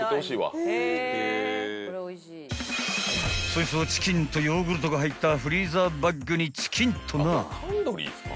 ［そいつをチキンとヨーグルトが入ったフリーザーバッグにチキンとな］